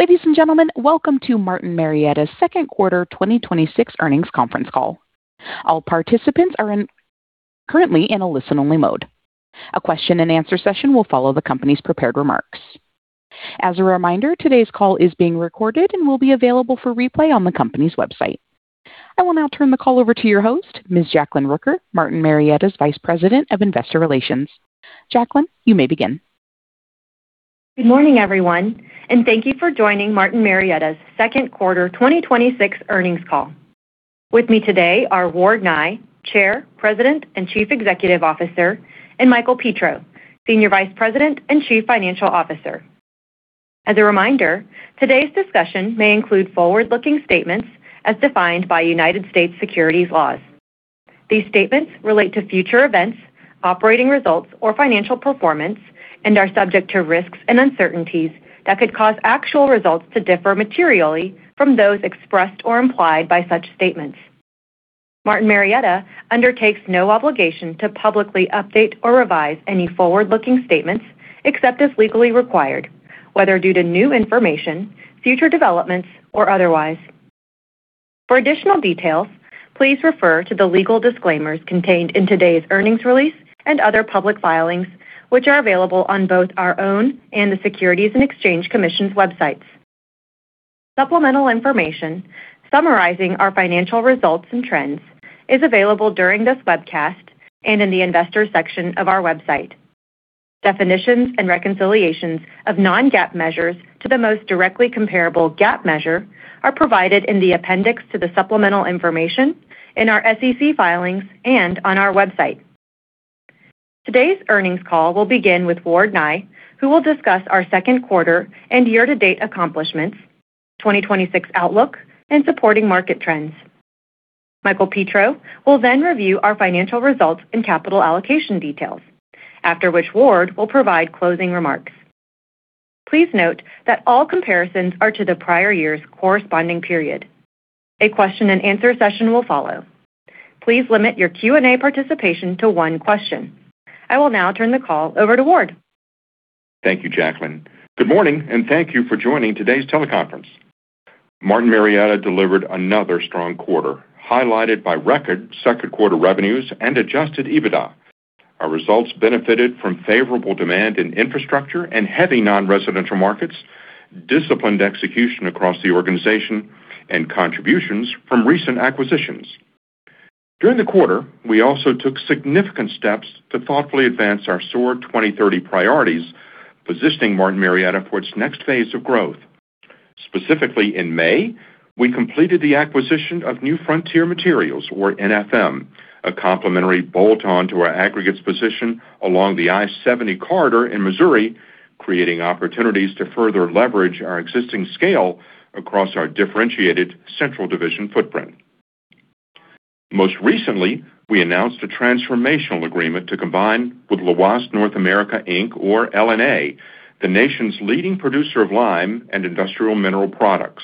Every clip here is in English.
Ladies and gentlemen, welcome to Martin Marietta's Q2 2026 earnings conference call. All participants are currently in a listen-only mode. A question and answer session will follow the company's prepared remarks. As a reminder, today's call is being recorded and will be available for replay on the company's website. I will now turn the call over to your host, Ms. Jacklyn Rooker, Martin Marietta's Vice President of Investor Relations. Jacklyn, you may begin. Good morning, everyone, thank you for joining Martin Marietta's Q2 2026 earnings call. With me today are Ward Nye, Chair, President, and Chief Executive Officer, and Michael Petro, Senior Vice President and Chief Financial Officer. As a reminder, today's discussion may include forward-looking statements as defined by U.S. securities laws. These statements relate to future events, operating results, or financial performance and are subject to risks and uncertainties that could cause actual results to differ materially from those expressed or implied by such statements. Martin Marietta undertakes no obligation to publicly update or revise any forward-looking statements, except as legally required, whether due to new information, future developments, or otherwise. For additional details, please refer to the legal disclaimers contained in today's earnings release and other public filings, which are available on both our own and the Securities and Exchange Commission's websites. Supplemental information summarizing our financial results and trends is available during this webcast and in the Investors section of our website. Definitions and reconciliations of non-GAAP measures to the most directly comparable GAAP measure are provided in the appendix to the supplemental information in our SEC filings and on our website. Today's earnings call will begin with Ward Nye, who will discuss our Q2 and year-to-date accomplishments, 2026 outlook, and supporting market trends. Michael Petro will then review our financial results and capital allocation details. After which, Ward will provide closing remarks. Please note that all comparisons are to the prior year's corresponding period. A question and answer session will follow. Please limit your Q&A participation to one question. I will now turn the call over to Ward. Thank you, Jacklyn. Good morning, thank you for joining today's teleconference. Martin Marietta delivered another strong quarter, highlighted by record Q2 revenues and adjusted EBITDA. Our results benefited from favorable demand in infrastructure and heavy non-residential markets, disciplined execution across the organization, and contributions from recent acquisitions. During the quarter, we also took significant steps to thoughtfully advance our SOAR 2030 priorities, positioning Martin Marietta for its next phase of growth. Specifically in May, we completed the acquisition of New Frontier Materials, or NFM, a complementary bolt-on to our aggregates position along the I-70 corridor in Missouri, creating opportunities to further leverage our existing scale across our differentiated central division footprint. Most recently, we announced a transformational agreement to combine with Lhoist North America, Inc., or LNA, the nation's leading producer of lime and industrial mineral products.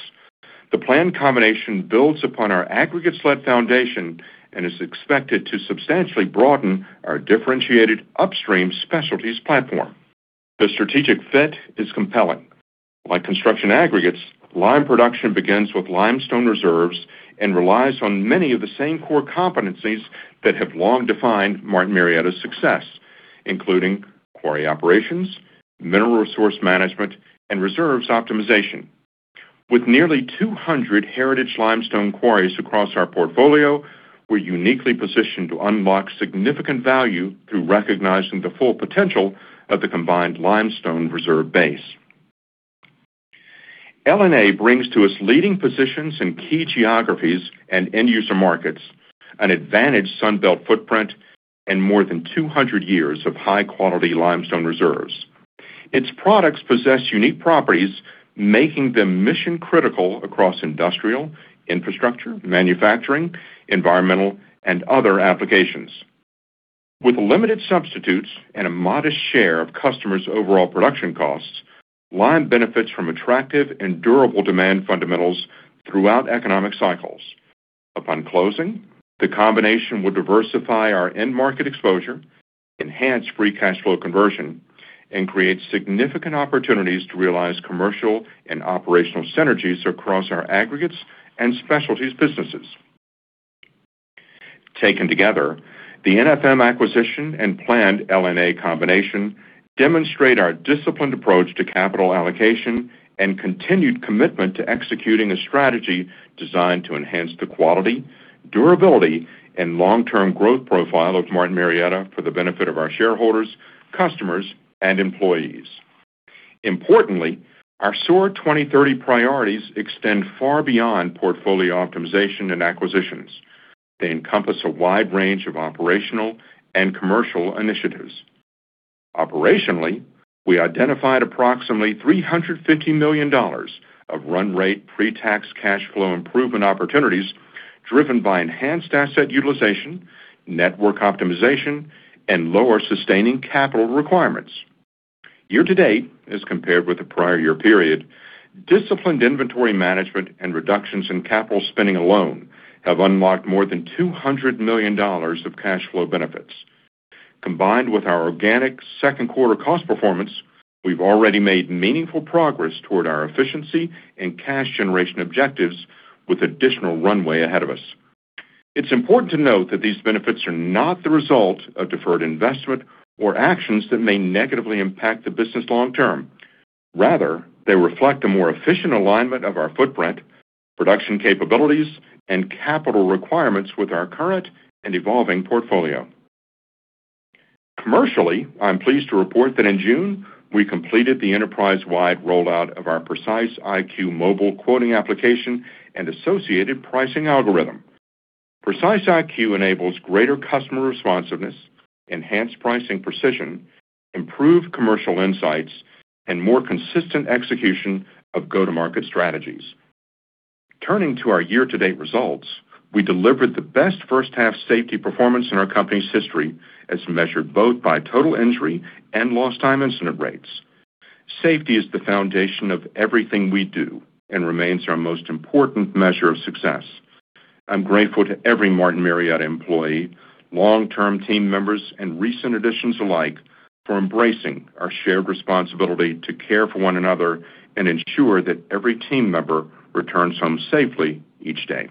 The planned combination builds upon our aggregates-led foundation and is expected to substantially broaden our differentiated upstream specialties platform. The strategic fit is compelling. Like construction aggregates, lime production begins with limestone reserves and relies on many of the same core competencies that have long defined Martin Marietta's success, including quarry operations, mineral resource management, and reserves optimization. With nearly 200 heritage limestone quarries across our portfolio, we're uniquely positioned to unlock significant value through recognizing the full potential of the combined limestone reserve base. LNA brings to its leading positions in key geographies and end-user markets an advantaged Sun Belt footprint and more than 200 years of high-quality limestone reserves. Its products possess unique properties, making them mission-critical across industrial, infrastructure, manufacturing, environmental, and other applications. With limited substitutes and a modest share of customers' overall production costs, lime benefits from attractive and durable demand fundamentals throughout economic cycles. Upon closing, the combination will diversify our end market exposure, enhance free cash flow conversion, and create significant opportunities to realize commercial and operational synergies across our aggregates and specialties businesses. Taken together, the NFM acquisition and planned LNA combination demonstrate our disciplined approach to capital allocation and continued commitment to executing a strategy designed to enhance the quality, durability, and long-term growth profile of Martin Marietta for the benefit of our shareholders, customers, and employees. Importantly, our SOAR 2030 priorities extend far beyond portfolio optimization and acquisitions. They encompass a wide range of operational and commercial initiatives. Operationally, we identified approximately $350 million of run rate pre-tax cash flow improvement opportunities driven by enhanced asset utilization, network optimization, and lower sustaining capital requirements. Year to date, as compared with the prior year period, disciplined inventory management and reductions in capital spending alone have unlocked more than $200 million of cash flow benefits. Combined with our organic Q2 cost performance, we've already made meaningful progress toward our efficiency and cash generation objectives with additional runway ahead of us. It's important to note that these benefits are not the result of deferred investment or actions that may negatively impact the business long term. Rather, they reflect a more efficient alignment of our footprint, production capabilities, and capital requirements with our current and evolving portfolio. Commercially, I'm pleased to report that in June, we completed the enterprise-wide rollout of our PreciseIQ mobile quoting application and associated pricing algorithm. PreciseIQ enables greater customer responsiveness, enhanced pricing precision, improved commercial insights, and more consistent execution of go-to-market strategies. Turning to our year-to-date results, we delivered the best H1 safety performance in our company's history, as measured both by total injury and lost time incident rates. Safety is the foundation of everything we do and remains our most important measure of success. I'm grateful to every Martin Marietta employee, long-term team members, and recent additions alike, for embracing our shared responsibility to care for one another and ensure that every team member returns home safely each day.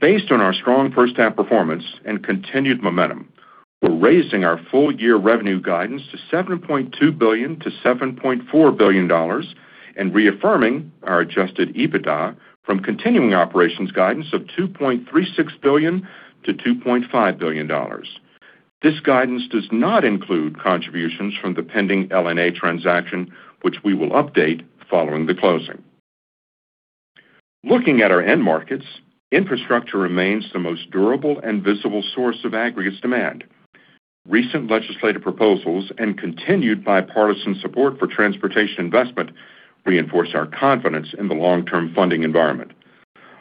Based on our strong H1 performance and continued momentum, we're raising our full year revenue guidance to $7.2 billion-$7.4 billion and reaffirming our adjusted EBITDA from continuing operations guidance of $2.36 billion-$2.5 billion. This guidance does not include contributions from the pending LNA transaction, which we will update following the closing. Looking at our end markets, infrastructure remains the most durable and visible source of aggregates demand. Recent legislative proposals and continued bipartisan support for transportation investment reinforce our confidence in the long-term funding environment.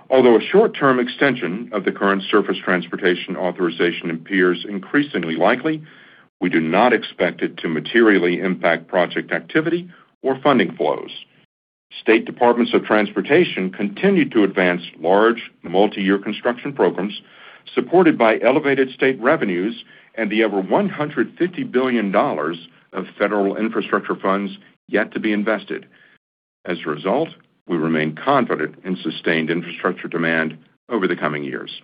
Although a short-term extension of the current surface transportation authorization appears increasingly likely, we do not expect it to materially impact project activity or funding flows. State departments of transportation continue to advance large multi-year construction programs supported by elevated state revenues and the over $150 billion of federal infrastructure funds yet to be invested. As a result, we remain confident in sustained infrastructure demand over the coming years.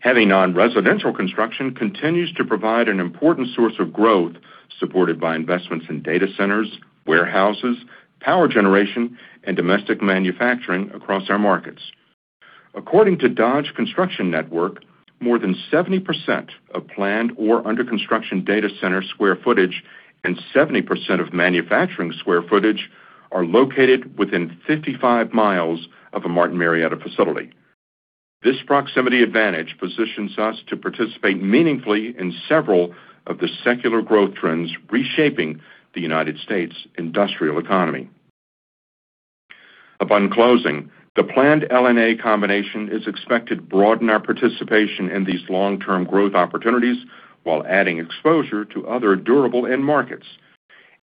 Heavy non-residential construction continues to provide an important source of growth, supported by investments in data centers, warehouses, power generation, and domestic manufacturing across our markets. According to Dodge Construction Network, more than 70% of planned or under construction data center square footage and 70% of manufacturing square footage are located within 55 miles of a Martin Marietta facility. This proximity advantage positions us to participate meaningfully in several of the secular growth trends reshaping the United States industrial economy. Upon closing, the planned LNA combination is expected to broaden our participation in these long-term growth opportunities while adding exposure to other durable end markets.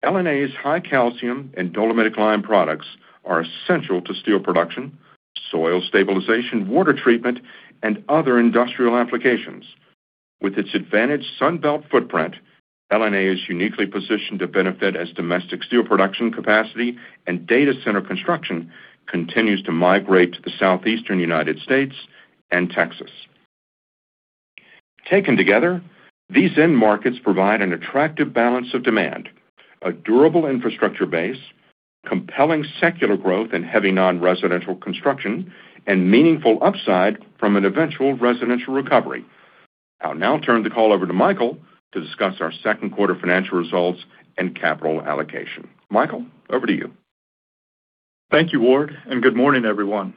LNA's high calcium and dolomitic lime products are essential to steel production, soil stabilization, water treatment, and other industrial applications. With its advantaged Sun Belt footprint, LNA is uniquely positioned to benefit as domestic steel production capacity and data center construction continues to migrate to the southeastern United States and Texas. Taken together, these end markets provide an attractive balance of demand, a durable infrastructure base, compelling secular growth in heavy non-residential construction, and meaningful upside from an eventual residential recovery. I'll now turn the call over to Michael to discuss our Q2 financial results and capital allocation. Michael, over to you. Thank you, Ward, and good morning, everyone.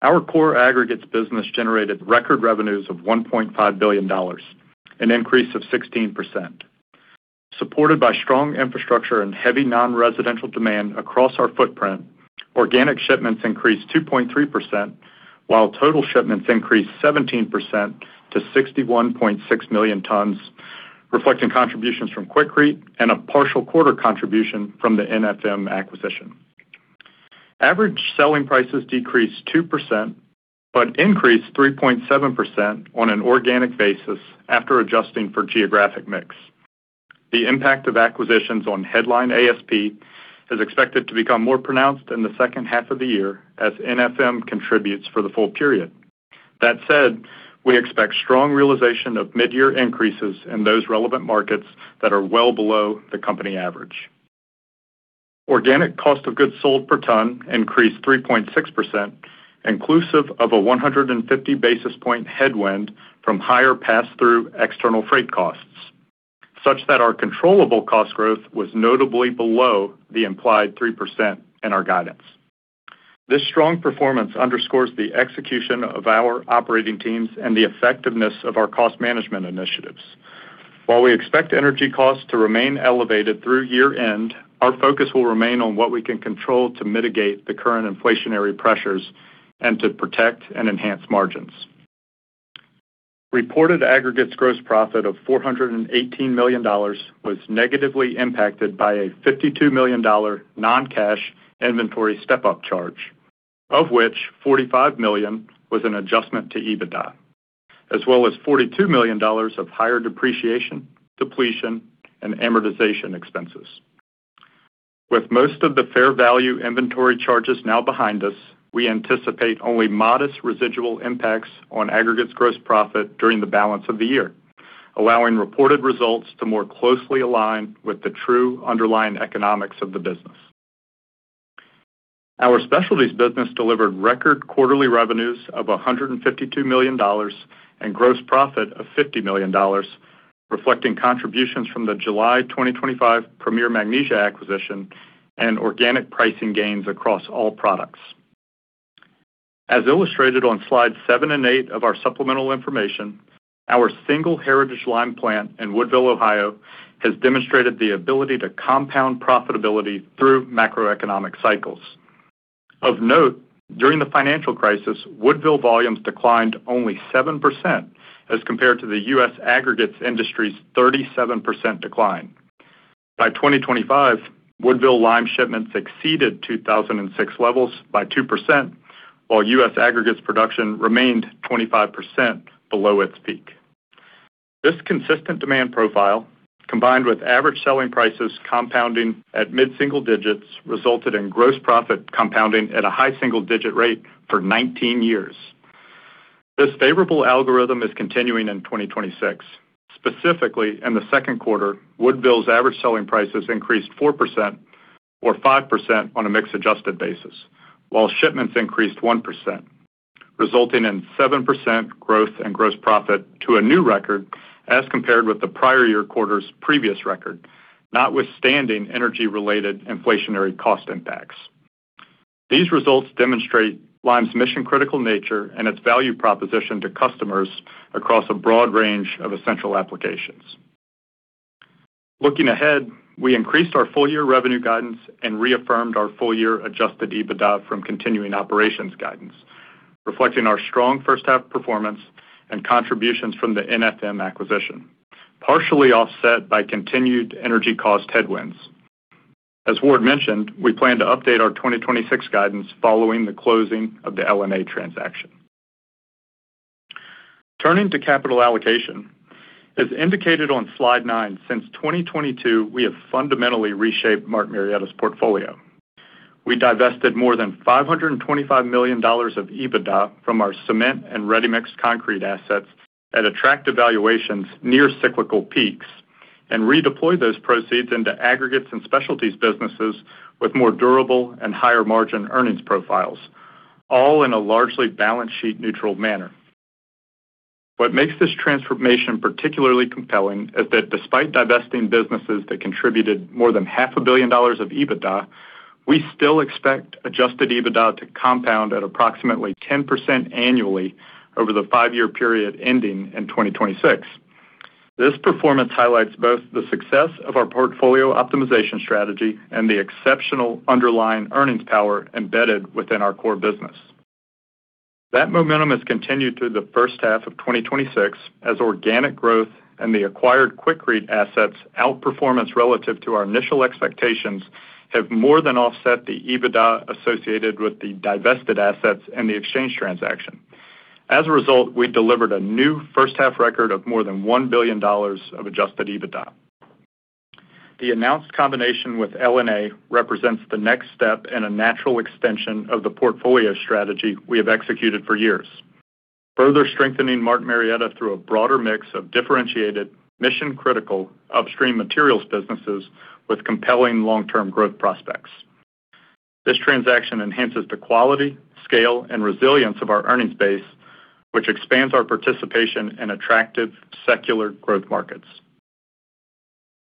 Our core aggregates business generated record revenues of $1.5 billion, an increase of 16%. Supported by strong infrastructure and heavy non-residential demand across our footprint, organic shipments increased 2.3%, while total shipments increased 17% to 61.6 million tons, reflecting contributions from Quikrete and a partial quarter contribution from the NFM acquisition. Average selling prices decreased 2%, but increased 3.7% on an organic basis after adjusting for geographic mix. The impact of acquisitions on headline ASP is expected to become more pronounced in the H2 of the year as NFM contributes for the full period. That said, we expect strong realization of mid-year increases in those relevant markets that are well below the company average. Organic cost of goods sold per ton increased 3.6%, inclusive of a 150 basis point headwind from higher pass-through external freight costs, such that our controllable cost growth was notably below the implied 3% in our guidance. This strong performance underscores the execution of our operating teams and the effectiveness of our cost management initiatives. While we expect energy costs to remain elevated through year-end, our focus will remain on what we can control to mitigate the current inflationary pressures and to protect and enhance margins. Reported aggregates gross profit of $418 million was negatively impacted by a $52 million non-cash inventory step-up charge. Of which $45 million was an adjustment to EBITDA, as well as $42 million of higher depreciation, depletion, and amortization expenses. With most of the fair value inventory charges now behind us, we anticipate only modest residual impacts on aggregates gross profit during the balance of the year, allowing reported results to more closely align with the true underlying economics of the business. Our specialties business delivered record quarterly revenues of $152 million and gross profit of $50 million, reflecting contributions from the July 2025 Premier Magnesia acquisition and organic pricing gains across all products. As illustrated on slide seven and eight of our supplemental information, our single heritage lime plant in Woodville, Ohio, has demonstrated the ability to compound profitability through macroeconomic cycles. Of note, during the financial crisis, Woodville volumes declined only 7% as compared to the U.S. aggregates industry's 37% decline. By 2025, Woodville lime shipments exceeded 2006 levels by 2%, while U.S. aggregates production remained 25% below its peak. This consistent demand profile, combined with average selling prices compounding at mid-single digits, resulted in gross profit compounding at a high single-digit rate for 19 years. This favorable algorithm is continuing in 2026. Specifically, in the Q2, Woodville's average selling prices increased 4%, or 5% on a mix-adjusted basis, while shipments increased 1%, resulting in 7% growth and gross profit to a new record as compared with the prior year quarter's previous record, notwithstanding energy-related inflationary cost impacts. These results demonstrate lime's mission-critical nature and its value proposition to customers across a broad range of essential applications. Looking ahead, we increased our full-year revenue guidance and reaffirmed our full-year adjusted EBITDA from continuing operations guidance, reflecting our strong H1 performance and contributions from the NFM acquisition, partially offset by continued energy cost headwinds. As Ward mentioned, we plan to update our 2026 guidance following the closing of the LNA transaction. Turning to capital allocation. As indicated on slide nine, since 2022, we have fundamentally reshaped Martin Marietta's portfolio. We divested more than $525 million of EBITDA from our cement and ready-mix concrete assets at attractive valuations near cyclical peaks and redeployed those proceeds into aggregates and specialties businesses with more durable and higher margin earnings profiles, all in a largely balance sheet neutral manner. What makes this transformation particularly compelling is that despite divesting businesses that contributed more than half a billion dollars of EBITDA, we still expect adjusted EBITDA to compound at approximately 10% annually over the five-year period ending in 2026. This performance highlights both the success of our portfolio optimization strategy and the exceptional underlying earnings power embedded within our core business. That momentum has continued through the H1 of 2026 as organic growth and the acquired Quikrete assets outperformance relative to our initial expectations have more than offset the EBITDA associated with the divested assets and the exchange transaction. As a result, we delivered a new H1 record of more than $1 billion of adjusted EBITDA. The announced combination with LNA represents the next step in a natural extension of the portfolio strategy we have executed for years, further strengthening Martin Marietta through a broader mix of differentiated, mission-critical upstream materials businesses with compelling long-term growth prospects. This transaction enhances the quality, scale, and resilience of our earnings base, which expands our participation in attractive secular growth markets.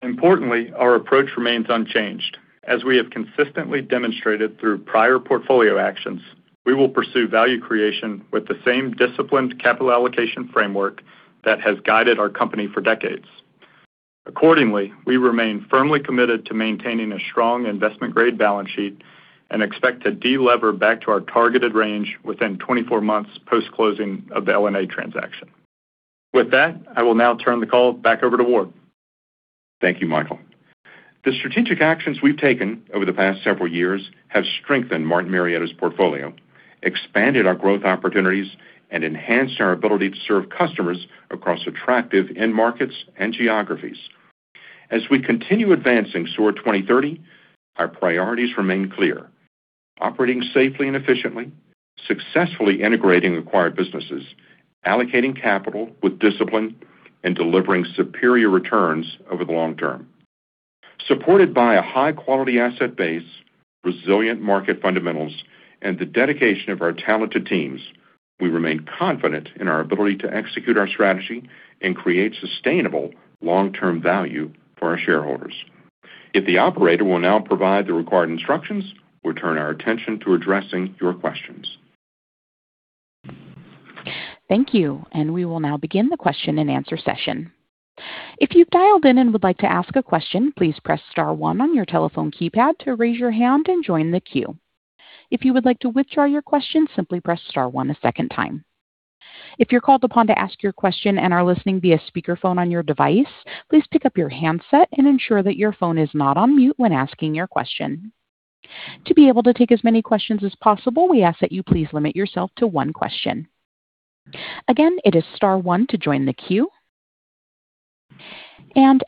Importantly, our approach remains unchanged. As we have consistently demonstrated through prior portfolio actions, we will pursue value creation with the same disciplined capital allocation framework that has guided our company for decades. Accordingly, we remain firmly committed to maintaining a strong investment-grade balance sheet and expect to de-lever back to our targeted range within 24 months post-closing of the LNA transaction. With that, I will now turn the call back over to Ward. Thank you, Michael. The strategic actions we've taken over the past several years have strengthened Martin Marietta's portfolio, expanded our growth opportunities, and enhanced our ability to serve customers across attractive end markets and geographies. As we continue advancing SOAR 2030, our priorities remain clear: operating safely and efficiently, successfully integrating acquired businesses, allocating capital with discipline, and delivering superior returns over the long term. Supported by a high-quality asset base, resilient market fundamentals, and the dedication of our talented teams, we remain confident in our ability to execute our strategy and create sustainable long-term value for our shareholders. If the operator will now provide the required instructions, we'll turn our attention to addressing your questions. Thank you. We will now begin the question and answer session. If you've dialed in and would like to ask a question, please press star one on your telephone keypad to raise your hand and join the queue. If you would like to withdraw your question, simply press star one a second time. If you're called upon to ask your question and are listening via speakerphone on your device, please pick up your handset and ensure that your phone is not on mute when asking your question. To be able to take as many questions as possible, we ask that you please limit yourself to one question. Again, it is star one to join the queue.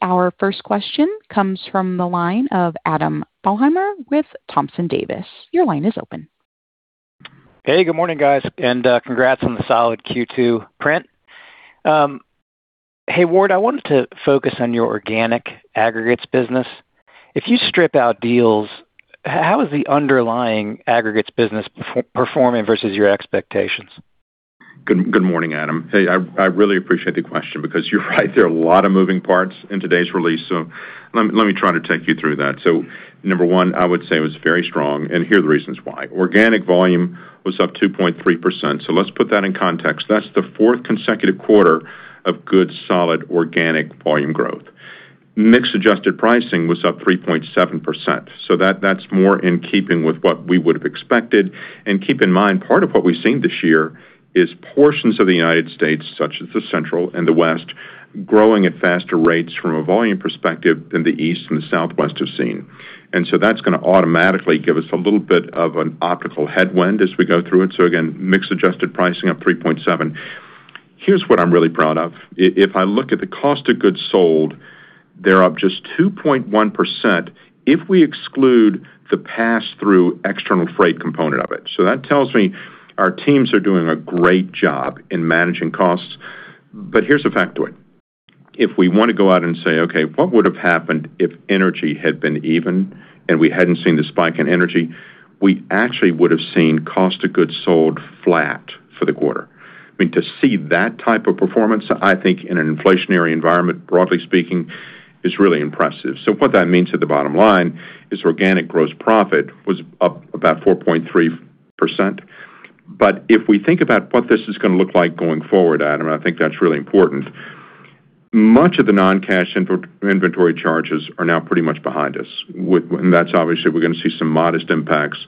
Our first question comes from the line of Adam Thalhimer with Thompson Davis. Your line is open. Hey, good morning, guys, and congrats on the solid Q2 print. Hey, Ward, I wanted to focus on your organic aggregates business. If you strip out deals, how is the underlying aggregates business performing versus your expectations? Good morning, Adam. Hey, I really appreciate the question because you're right, there are a lot of moving parts in today's release. Let me try to take you through that. Number one, I would say it was very strong, and here are the reasons why. Organic volume was up 2.3%. Let's put that in context. That's the fourth consecutive quarter of good, solid organic volume growth. Mixed adjusted pricing was up 3.7%, that's more in keeping with what we would have expected. Keep in mind, part of what we've seen this year is portions of the United States, such as the central and the west, growing at faster rates from a volume perspective than the east and the southwest have seen. That's going to automatically give us a little bit of an optical headwind as we go through it. Again, mixed adjusted pricing up 3.7. Here's what I'm really proud of. If I look at the cost of goods sold, they're up just 2.1% if we exclude the pass-through external freight component of it. That tells me our teams are doing a great job in managing costs. Here's the fact to it. If we want to go out and say, "Okay, what would have happened if energy had been even and we hadn't seen the spike in energy?" We actually would have seen cost of goods sold flat for the quarter. I mean, to see that type of performance, I think in an inflationary environment, broadly speaking, is really impressive. What that means to the bottom line is organic gross profit was up about 4.3%. If we think about what this is going to look like going forward, Adam, I think that's really important. Much of the non-cash inventory charges are now pretty much behind us. That's obviously we're going to see some modest impacts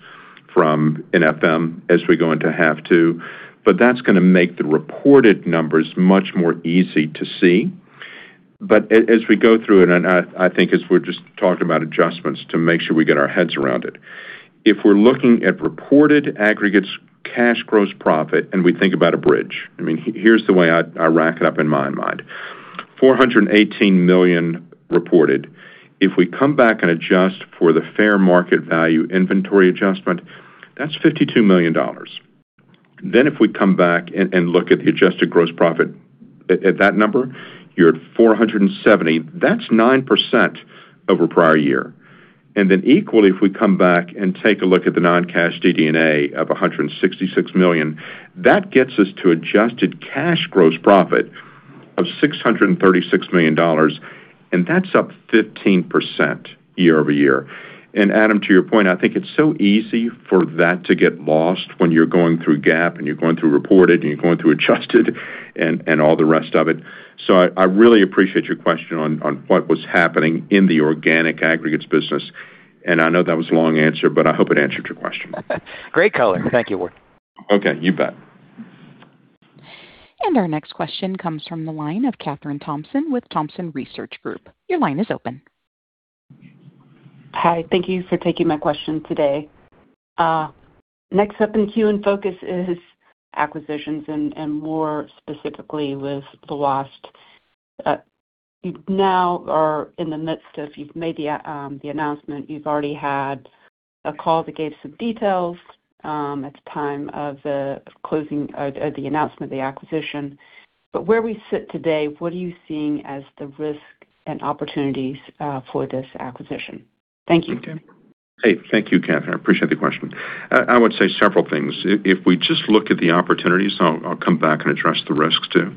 from an NFM as we go into half two, but that's going to make the reported numbers much more easy to see. As we go through it, and I think as we're just talking about adjustments to make sure we get our heads around it, if we're looking at reported aggregates cash gross profit, and we think about a bridge, I mean, here's the way I rack it up in my mind. $418 million reported. If we come back and adjust for the fair market value inventory adjustment, that's $52 million. If we come back and look at the adjusted gross profit at that number, you're at $470. That's 9% over prior year. Equally, if we come back and take a look at the non-cash DD&A of $166 million, that gets us to adjusted cash gross profit of $636 million, and that's up 15% year-over-year. Adam, to your point, I think it's so easy for that to get lost when you're going through GAAP, and you're going through reported, and you're going through adjusted and all the rest of it. I really appreciate your question on what was happening in the organic aggregates business, I know that was a long answer, but I hope it answered your question. Great color. Thank you, Ward. Okay, you bet. Our next question comes from the line of Kathryn Thompson with Thompson Research Group. Your line is open. Hi. Thank you for taking my question today. Next up in queue and focus is acquisitions, and more specifically with the Lhoist. You've made the announcement. You've already had a call that gave some details at the time of the announcement of the acquisition. Where we sit today, what are you seeing as the risk and opportunities for this acquisition? Thank you. Hey, thank you, Kathryn. I appreciate the question. I would say several things. We just look at the opportunities, I'll come back and address the risks too.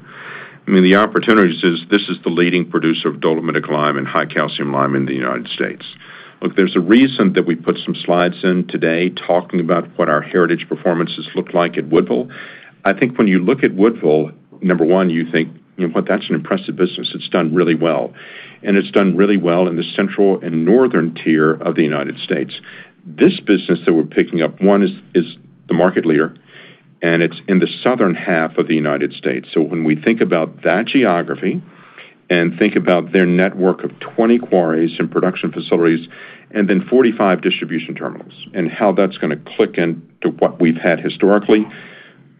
I mean, the opportunities is this is the leading producer of dolomitic lime and high calcium lime in the United States. Look, there's a reason that we put some slides in today talking about what our heritage performances look like at Woodville. I think when you look at Woodville, number one, you think, "You know what? That's an impressive business. It's done really well." It's done really well in the central and northern tier of the United States. This business that we're picking up, one, is the market leader, and it's in the southern half of the United States. When we think about that geography and think about their network of 20 quarries and production facilities and then 45 distribution terminals and how that's going to click into what we've had historically,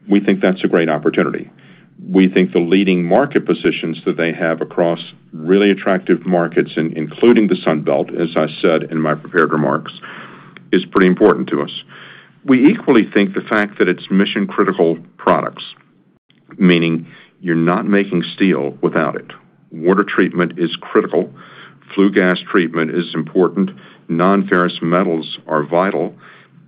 we think that's a great opportunity. We think the leading market positions that they have across really attractive markets, including the Sun Belt, as I said in my prepared remarks, is pretty important to us. We equally think the fact that it's mission-critical products, meaning you're not making steel without it. Water treatment is critical. Flue gas treatment is important. Non-ferrous metals are vital.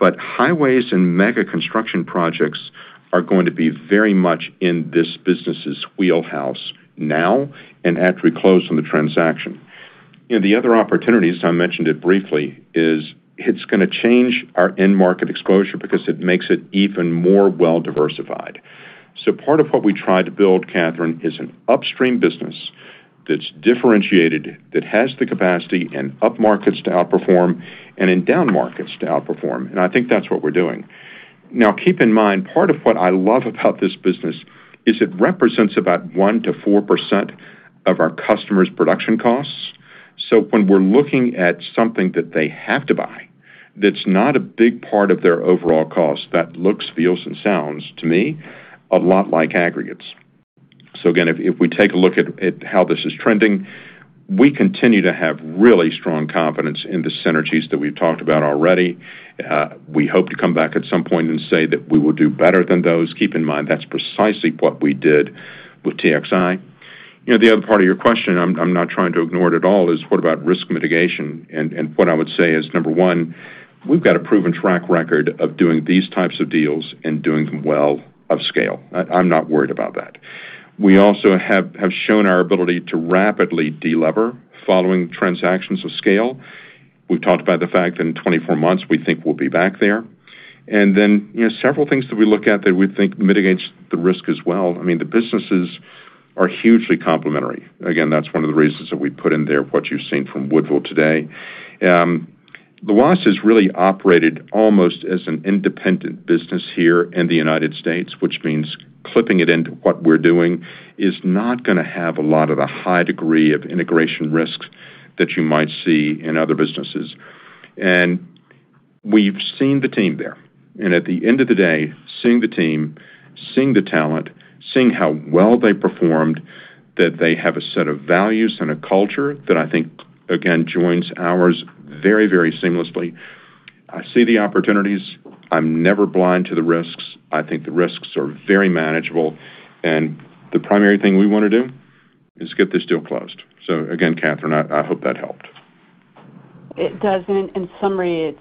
Highways and mega construction projects are going to be very much in this business's wheelhouse now and after we close on the transaction. The other opportunities, I mentioned it briefly, is it's going to change our end market exposure because it makes it even more well-diversified. Part of what we try to build, Kathryn, is an upstream business That's differentiated, that has the capacity in up markets to outperform, and in down markets to outperform. I think that's what we're doing. Keep in mind, part of what I love about this business is it represents about 1%-4% of our customers' production costs. When we're looking at something that they have to buy, that's not a big part of their overall cost. That looks, feels, and sounds to me, a lot like aggregates. Again, if we take a look at how this is trending, we continue to have really strong confidence in the synergies that we've talked about already. We hope to come back at some point and say that we will do better than those. Keep in mind, that's precisely what we did with TXI. The other part of your question, I'm not trying to ignore it at all, is what about risk mitigation? What I would say is, number one, we've got a proven track record of doing these types of deals and doing them well of scale. I'm not worried about that. We also have shown our ability to rapidly de-lever following transactions of scale. We've talked about the fact in 24 months, we think we'll be back there. Several things that we look at that we think mitigates the risk as well. I mean, the businesses are hugely complementary. Again, that's one of the reasons that we put in there what you've seen from Woodville today. Lhoist has really operated almost as an independent business here in the U.S., which means clipping it into what we're doing is not going to have a lot of the high degree of integration risks that you might see in other businesses. We've seen the team there, at the end of the day, seeing the team, seeing the talent, seeing how well they performed, that they have a set of values and a culture that I think, again, joins ours very seamlessly. I see the opportunities. I'm never blind to the risks. I think the risks are very manageable, and the primary thing we want to do is get this deal closed. Again, Kathryn, I hope that helped. It does. In summary,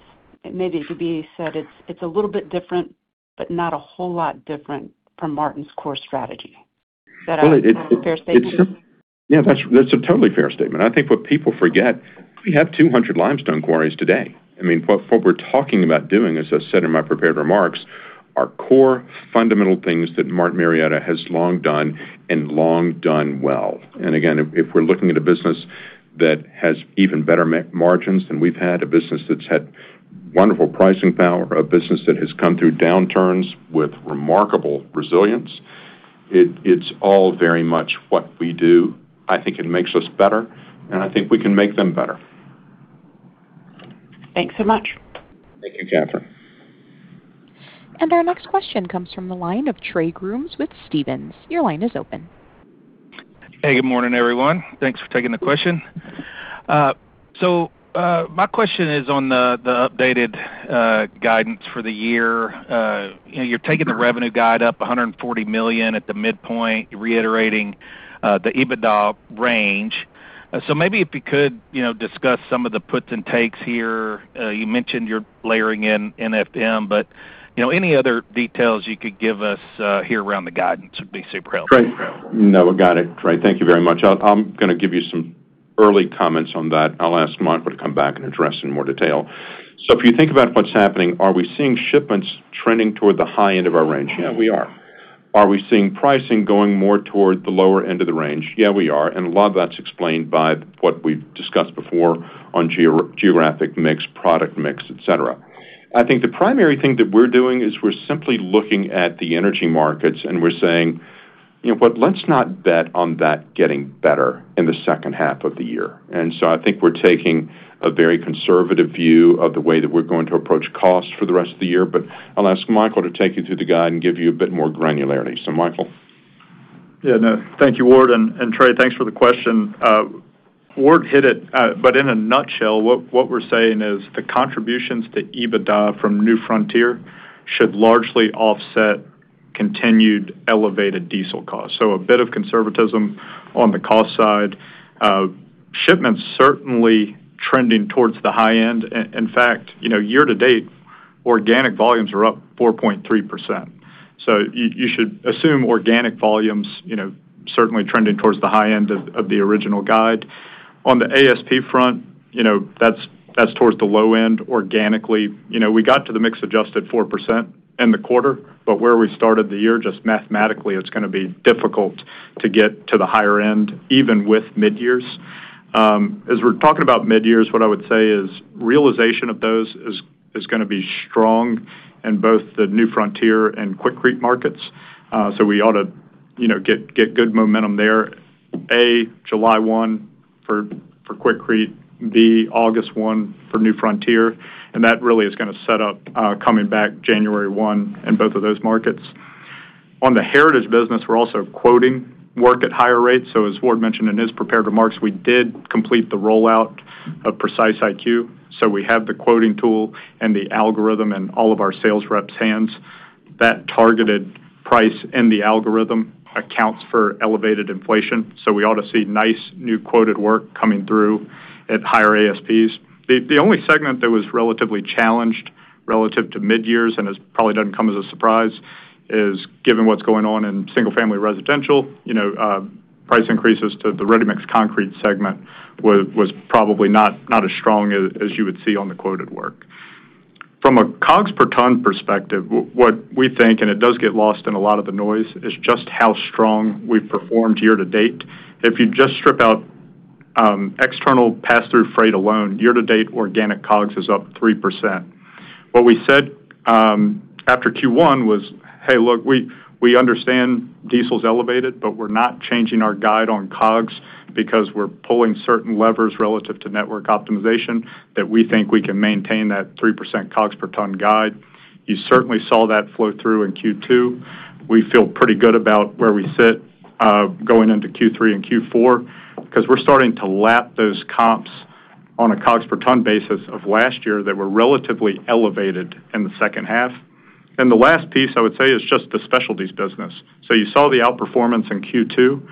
maybe it could be said it's a little bit different, but not a whole lot different from Martin's core strategy. Is that a fair statement? Yeah, that's a totally fair statement. I think what people forget, we have 200 limestone quarries today. I mean, what we're talking about doing, as I said in my prepared remarks, are core fundamental things that Martin Marietta has long done and long done well. Again, if we're looking at a business that has even better margins than we've had, a business that's had wonderful pricing power, a business that has come through downturns with remarkable resilience, it's all very much what we do. I think it makes us better, and I think we can make them better. Thanks so much. Thank you, Kathryn. Our next question comes from the line of Trey Grooms with Stephens. Your line is open. Hey, good morning, everyone. Thanks for taking the question. My question is on the updated guidance for the year. You're taking the revenue guide up $140 million at the midpoint, reiterating the EBITDA range. Maybe if you could discuss some of the puts and takes here. You mentioned you're layering in NFM, any other details you could give us here around the guidance would be super helpful. Trey. No, got it, Trey. Thank you very much. I'm going to give you some early comments on that. I'll ask Michael to come back and address in more detail. If you think about what's happening, are we seeing shipments trending toward the high end of our range? Yeah, we are. Are we seeing pricing going more toward the lower end of the range? Yeah, we are. A lot of that's explained by what we've discussed before on geographic mix, product mix, et cetera. I think the primary thing that we're doing is we're simply looking at the energy markets, and we're saying, "Let's not bet on that getting better in the H2 of the year." I think we're taking a very conservative view of the way that we're going to approach costs for the rest of the year. I'll ask Michael to take you through the guide and give you a bit more granularity. Michael. No, thank you, Ward. Trey, thanks for the question. Ward hit it, but in a nutshell, what we're saying is the contributions to EBITDA from New Frontier should largely offset continued elevated diesel costs. A bit of conservatism on the cost side. Shipments certainly trending towards the high end. In fact, year-to-date, organic volumes are up 4.3%. You should assume organic volumes certainly trending towards the high end of the original guide. On the ASP front, that's towards the low end organically. We got to the mix adjusted 4% in the quarter, but where we started the year, just mathematically, it's going to be difficult to get to the higher end, even with mid-years. We're talking about mid-years, what I would say is realization of those is going to be strong in both the New Frontier and Quikrete markets. We ought to get good momentum there. A, July 1st, for Quikrete, B, August 1st, for New Frontier, and that really is going to set up coming back January 1st, in both of those markets. On the Heritage business, we're also quoting work at higher rates. As Ward mentioned in his prepared remarks, we did complete the rollout of PreciseIQ. We have the quoting tool and the algorithm in all of our sales reps' hands. That targeted price in the algorithm accounts for elevated inflation. We ought to see nice new quoted work coming through at higher ASPs. The only segment that was relatively challenged relative to mid-years, and this probably doesn't come as a surprise, is given what's going on in single-family residential, price increases to the ready-mix concrete segment was probably not as strong as you would see on the quoted work. From a COGS per ton perspective, what we think, and it does get lost in a lot of the noise, is just how strong we've performed year-to-date. If you just strip out external pass-through freight alone, year-to-date, organic COGS is up 3%. What we said after Q1 was, "Hey, look, we understand diesel's elevated, but we're not changing our guide on COGS because we're pulling certain levers relative to network optimization that we think we can maintain that 3% COGS per ton guide." You certainly saw that flow through in Q2. We feel pretty good about where we sit going into Q3 and Q4, because we're starting to lap those comps on a COGS per ton basis of last year that were relatively elevated in the H2. The last piece I would say is just the specialties business. You saw the outperformance in Q2.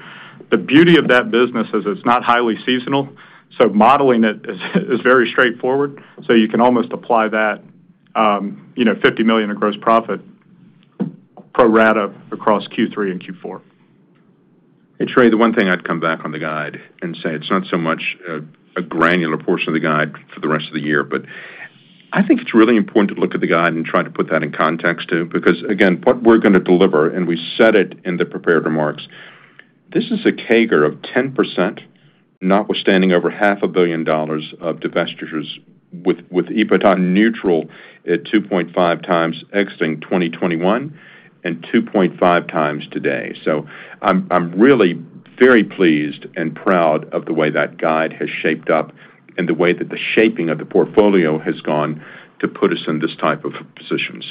The beauty of that business is it's not highly seasonal, so modeling it is very straightforward. You can almost apply that $50 million of gross profit pro rata across Q3 and Q4. Hey, Trey, the one thing I'd come back on the guide and say it's not so much a granular portion of the guide for the rest of the year, but I think it's really important to look at the guide and try to put that in context, too. Because again, what we're going to deliver, and we said it in the prepared remarks, this is a CAGR of 10%, notwithstanding over half a billion dollars of divestitures with EBIT on neutral at 2.5 times exiting 2021 and 2.5 times today. I'm really very pleased and proud of the way that guide has shaped up and the way that the shaping of the portfolio has gone to put us in this type of a position.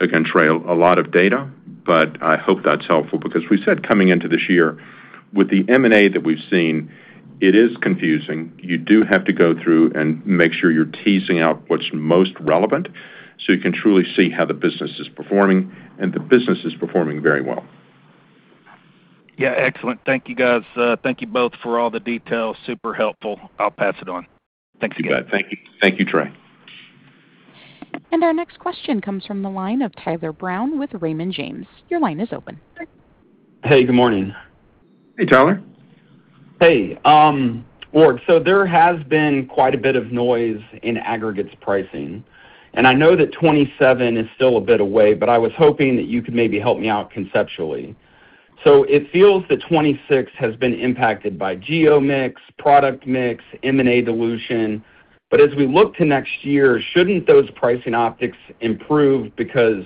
Again, Trey, a lot of data, but I hope that's helpful because we said coming into this year with the M&A that we've seen, it is confusing. You do have to go through and make sure you're teasing out what's most relevant so you can truly see how the business is performing, and the business is performing very well. Yeah. Excellent. Thank you guys. Thank you both for all the details. Super helpful. I'll pass it on. Thanks again. You bet. Thank you, Trey. Our next question comes from the line of Tyler Brown with Raymond James. Your line is open. Hey, good morning. Hey, Tyler. Hey. Ward, there has been quite a bit of noise in aggregates pricing, and I know that 2027 is still a bit away, but I was hoping that you could maybe help me out conceptually. It feels that 2026 has been impacted by geo mix, product mix, M&A dilution. As we look to next year, shouldn't those pricing optics improve because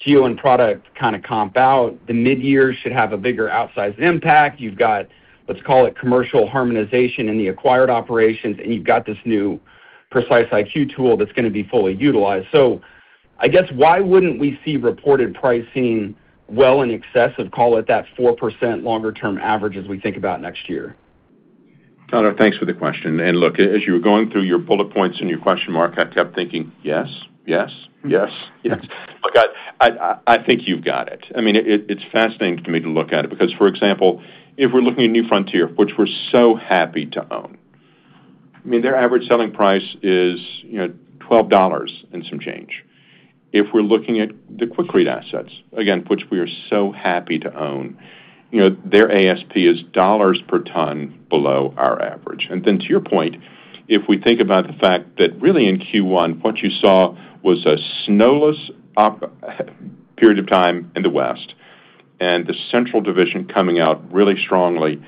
geo and product kind of comp out? The mid-year should have a bigger outsized impact. You've got, let's call it commercial harmonization in the acquired operations, and you've got this new PreciseIQ tool that's going to be fully utilized. I guess why wouldn't we see reported pricing well in excess of, call it, that 4% longer term average as we think about next year? Tyler, thanks for the question. Look, as you were going through your bullet points and your question mark, I kept thinking, "Yes, yes." Look, I think you've got it. It's fascinating for me to look at it because, for example, if we're looking at New Frontier, which we're so happy to own, their average selling price is $12 and some change. If we're looking at the Quikrete assets, again, which we are so happy to own, their ASP is $ per ton below our average. To your point, if we think about the fact that really in Q1 what you saw was a snowless period of time in the West, and the Central Division coming out really strongly.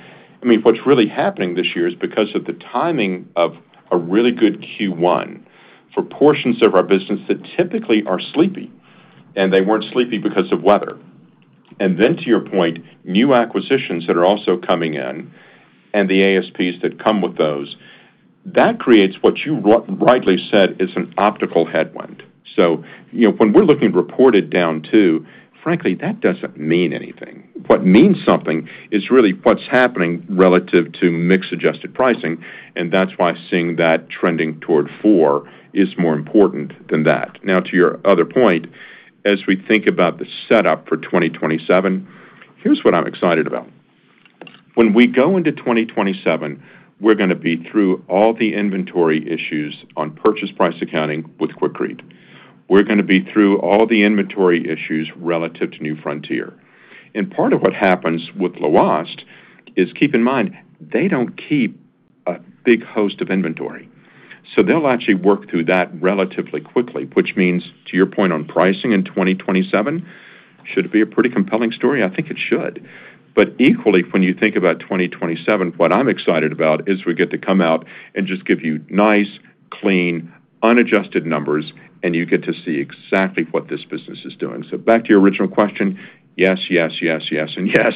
What's really happening this year is because of the timing of a really good Q1 for portions of our business that typically are sleepy, and they weren't sleepy because of weather. To your point, new acquisitions that are also coming in and the ASPs that come with those, that creates what you rightly said is an optical headwind. When we're looking reported down too, frankly, that doesn't mean anything. What means something is really what's happening relative to mix-adjusted pricing, and that's why seeing that trending toward 4% is more important than that. To your other point, as we think about the setup for 2027, here's what I'm excited about. When we go into 2027, we're going to be through all the inventory issues on purchase price accounting with Quikrete. We're going to be through all the inventory issues relative to New Frontier. Part of what happens with Lhoist is, keep in mind, they don't keep a big host of inventory. They'll actually work through that relatively quickly, which means to your point on pricing in 2027, should it be a pretty compelling story? I think it should. Equally, when you think about 2027, what I'm excited about is we get to come out and just give you nice, clean, unadjusted numbers, and you get to see exactly what this business is doing. Back to your original question, yes, yes and yes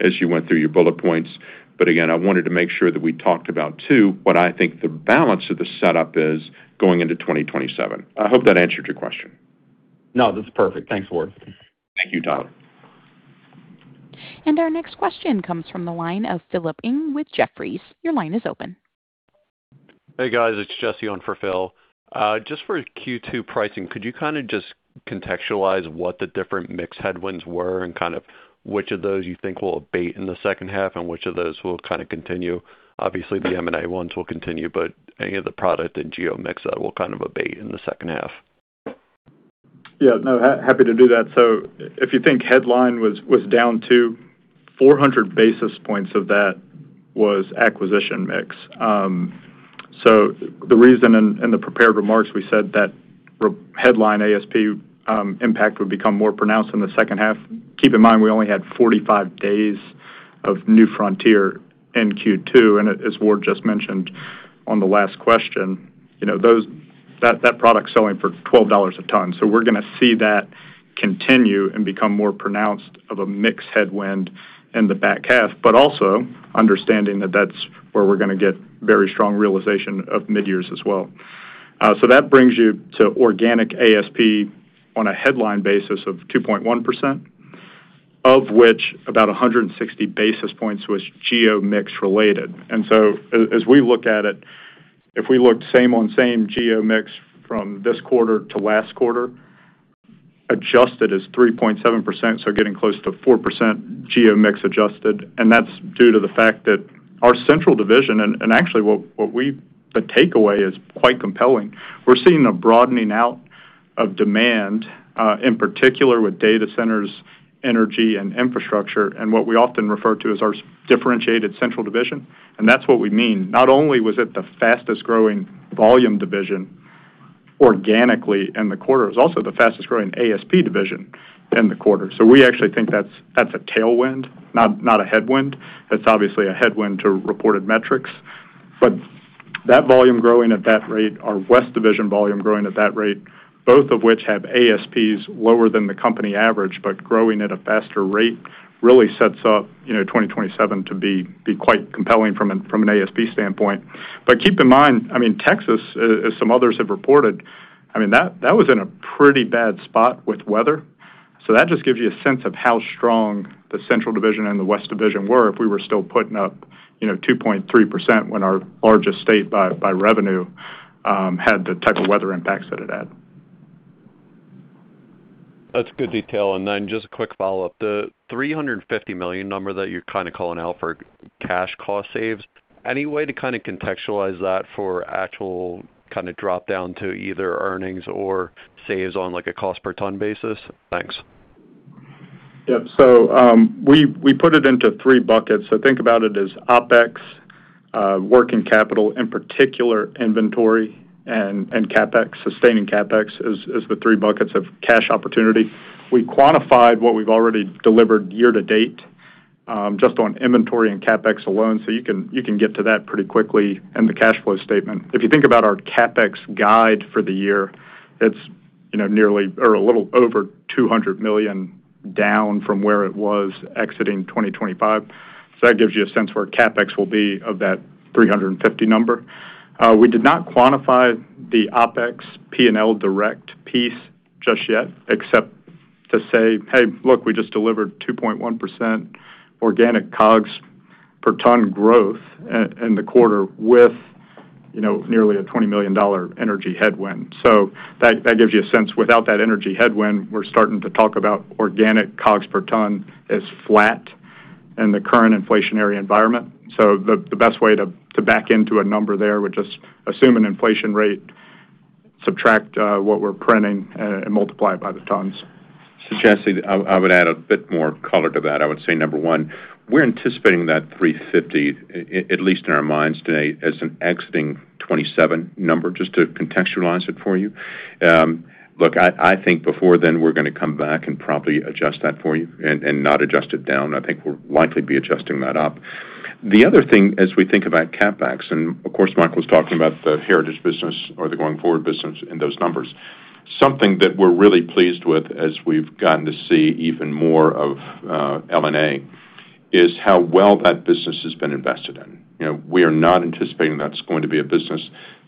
as you went through your bullet points. Again, I wanted to make sure that we talked about, too, what I think the balance of the setup is going into 2027. I hope that answered your question. No, that's perfect. Thanks, Ward. Thank you, Tyler. Our next question comes from the line of Philip Eng with Jefferies. Your line is open. Hey, guys. It's Jesse on for Phil. Just for Q2 pricing, could you just contextualize what the different mix headwinds were and which of those you think will abate in the H2 and which of those will kind of continue? Obviously, the M&A ones will continue, but any of the product and geo mix that will abate in the H2? Yeah. No, happy to do that. If you think headline was down two, 400 basis points of that was acquisition mix. The reason in the prepared remarks, we said that headline ASP impact would become more pronounced in the H2. Keep in mind, we only had 45 days of New Frontier in Q2, and as Ward just mentioned on the last question, that product's selling for $12 a ton. We're going to see that continue and become more pronounced of a mix headwind in the back half, also understanding that that's where we're going to get very strong realization of mid-years as well. That brings you to organic ASP on a headline basis of 2.1%, of which about 160 basis points was geo mix related. As we look at it, if we looked same on same geo mix from this quarter to last quarter, adjusted is 3.7%, getting close to 4% geo mix adjusted. That's due to the fact that our Central Division and actually, the takeaway is quite compelling. We're seeing a broadening out of demand, in particular with data centers, energy, and infrastructure, and what we often refer to as our differentiated Central Division, and that's what we mean. Not only was it the fastest growing volume division organically in the quarter, it was also the fastest growing ASP division in the quarter. We actually think that's a tailwind, not a headwind. That's obviously a headwind to reported metrics. That volume growing at that rate, our West Division volume growing at that rate, both of which have ASPs lower than the company average, but growing at a faster rate, really sets up 2027 to be quite compelling from an ASP standpoint. Keep in mind, Texas, as some others have reported, that was in a pretty bad spot with weather. That just gives you a sense of how strong the Central Division and the West Division were if we were still putting up 2.3% when our largest state by revenue had the type of weather impacts that it had. That's good detail. Just a quick follow-up. The $350 million number that you're calling out for cash cost saves, any way to contextualize that for actual drop-down to either earnings or saves on a cost per ton basis? Thanks. Yep. We put it into three buckets. Think about it as OpEx, working capital, in particular inventory, and CapEx, sustaining CapEx, as the three buckets of cash opportunity. We quantified what we've already delivered year to date, just on inventory and CapEx alone. You can get to that pretty quickly in the cash flow statement. If you think about our CapEx guide for the year, it's a little over $200 million down from where it was exiting 2025. That gives you a sense where CapEx will be of that $350 number. We did not quantify the OpEx P&L direct piece just yet except to say, "Hey, look, we just delivered 2.1% organic COGS per ton growth in the quarter with nearly a $20 million energy headwind." That gives you a sense. Without that energy headwind, we're starting to talk about organic COGS per ton as flat in the current inflationary environment. The best way to back into a number there would just assume an inflation rate, subtract what we're printing, and multiply it by the tons. Jesse, I would add a bit more color to that. I would say, number one, we're anticipating that $350, at least in our minds today, as an exiting 2027 number, just to contextualize it for you. Look, I think before then, we're going to come back and probably adjust that for you and not adjust it down. I think we'll likely be adjusting that up. The other thing, as we think about CapEx, and of course, Mike was talking about the Heritage business or the going forward business in those numbers. Something that we're really pleased with as we've gotten to see even more of LNA, is how well that business has been invested in. We are not anticipating that's going to be a business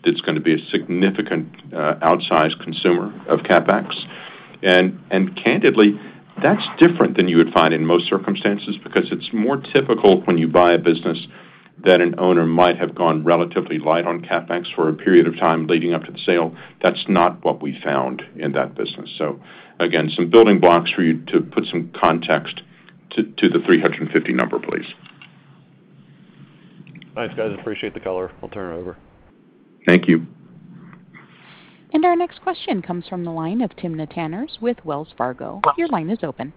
that's going to be a significant outsized consumer of CapEx. Candidly, that's different than you would find in most circumstances because it's more typical when you buy a business that an owner might have gone relatively light on CapEx for a period of time leading up to the sale. That's not what we found in that business. Again, some building blocks for you to put some context to the 350 number, please. Thanks, guys. Appreciate the color. I'll turn it over. Thank you. Our next question comes from the line of Timna Tanners with Wells Fargo. Your line is open.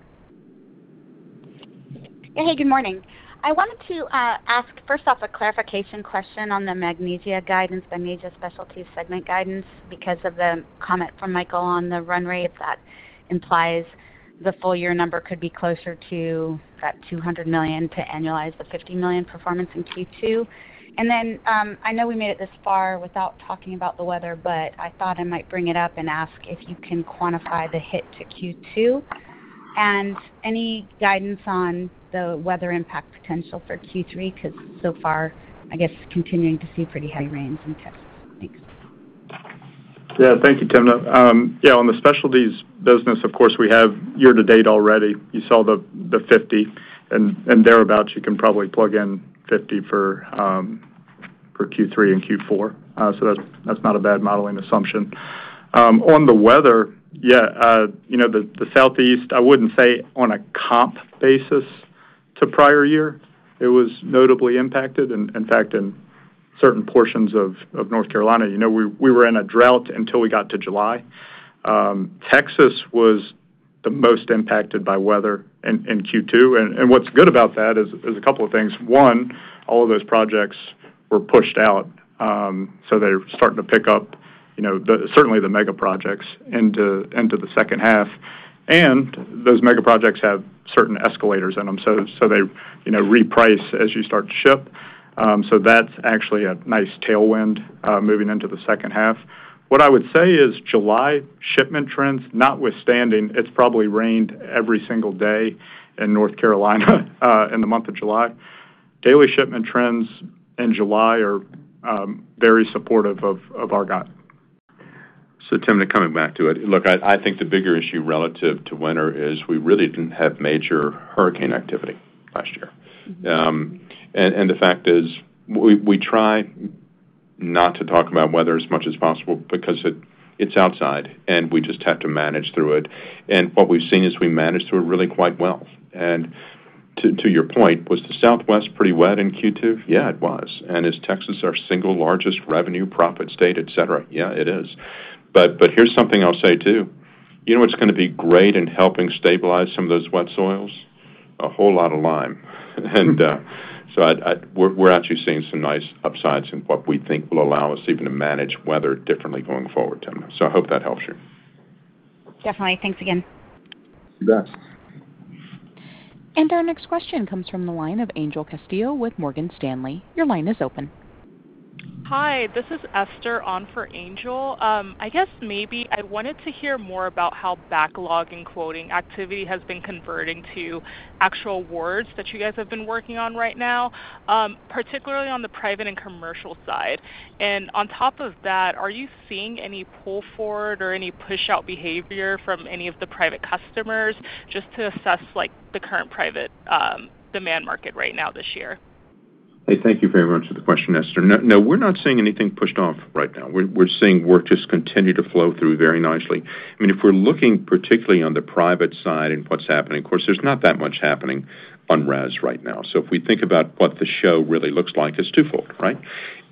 Hey, good morning. I wanted to ask, first off, a clarification question on the Magnesia Specialties guidance, the Magnesia Specialties segment guidance, because of the comment from Michael on the run rate that implies the full year number could be closer to that $200 million to annualize the $50 million performance in Q2. I know we made it this far without talking about the weather, but I thought I might bring it up and ask if you can quantify the hit to Q2 and any guidance on the weather impact potential for Q3, because so far, I guess continuing to see pretty high rains in Texas. Thanks. Thank you, Timna. On the specialties business, of course, we have year-to-date already. You saw the $50 and thereabout, you can probably plug in $50 for Q3 and Q4. That's not a bad modeling assumption. On the weather, the Southeast, I wouldn't say on a comp basis to prior year, it was notably impacted. In fact, in certain portions of North Carolina, we were in a drought until we got to July. Texas was the most impacted by weather in Q2. What's good about that is a couple of things. One, all of those projects were pushed out, so they're starting to pick up, certainly the mega projects, into the H2. Those mega projects have certain escalators in them, so they reprice as you start to ship. That's actually a nice tailwind moving into the H2. What I would say is July shipment trends, notwithstanding, it's probably rained every single day in North Carolina in the month of July. Daily shipment trends in July are very supportive of our guide. Timna, coming back to it. Look, I think the bigger issue relative to winter is we really didn't have major hurricane activity last year. The fact is, we try not to talk about weather as much as possible because it's outside, we just have to manage through it. What we've seen is we manage through it really quite well. To your point, was the Southwest pretty wet in Q2? Yeah, it was. Is Texas our single largest revenue profit state, et cetera? Yeah, it is. Here's something I'll say, too. You know what's going to be great in helping stabilize some of those wet soils? A whole lot of lime. We're actually seeing some nice upsides in what we think will allow us even to manage weather differently going forward, Timna. I hope that helps you. Definitely. Thanks again. You bet. Our next question comes from the line of Angel Castillo with Morgan Stanley. Your line is open. Hi, this is Esther on for Angel. I guess maybe I wanted to hear more about how backlog and quoting activity has been converting to actual awards that you guys have been working on right now, particularly on the private and commercial side. On top of that, are you seeing any pull-forward or any push-out behavior from any of the private customers just to assess the current private demand market right now this year? Hey, thank you very much for the question, Esther. No, we're not seeing anything pushed off right now. We're seeing work just continue to flow through very nicely. If we're looking particularly on the private side and what's happening, of course, there's not that much happening on res right now. If we think about what the show really looks like, it's twofold, right?